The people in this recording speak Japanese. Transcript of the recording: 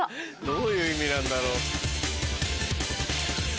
どういう意味なんだろう？